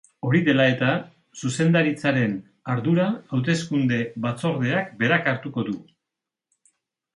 Hori dela eta, zuzendaritzaren ardura hauteskunde-batzordeak berak hartuko du.